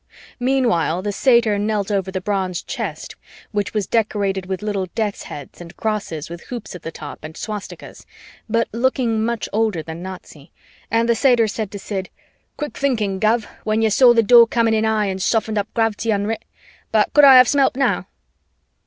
Meanwhile, the satyr knelt over the bronze chest, which was decorated with little death's heads and crosses with hoops at the top and swastikas, but looking much older than Nazi, and the satyr said to Sid, "Quick thinkin, Gov, when ya saw the Door comin in high n soffened up gravty unner it, but cud I hav sum hep now?"